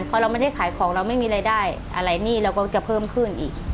พอเราไม่ได้ขายของเราไม่มีรายได้อะไรหนี้เราก็จะเพิ่มขึ้นอีก